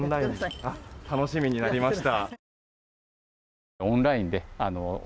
楽しみになりました。